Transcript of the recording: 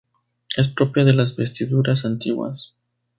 Es propia de las vestiduras antiguas.